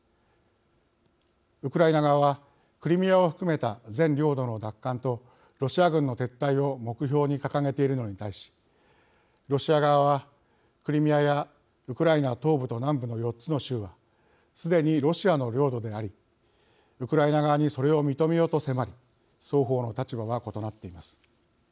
ウクライナ側はクリミアを含めた全領土の奪還とロシア軍の撤退を目標に掲げているのに対しロシア側はクリミアやウクライナ東部と南部の４つの州はすでにロシアの領土でありウクライナ側にそれを認めよと迫り双方の立場は異なっています。